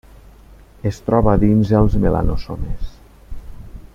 Es troba dins els melanosomes.